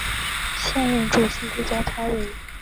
现任主席及总裁为。